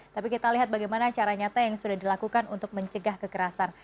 tapi kita lihat bagaimana cara nyata yang sudah dilakukan untuk mencegah kekerasan